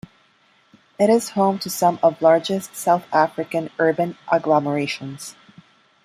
It is home to some of largest South-African urban agglomerations.